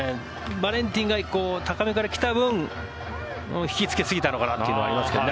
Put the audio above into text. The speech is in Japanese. バレンティンが高めから来た分引きつけすぎたのかなというのはありますけどね。